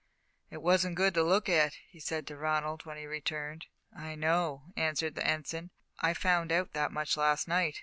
"It wasn't good to look at," he said to Ronald, when he returned. "I know," answered the Ensign; "I found out that much last night.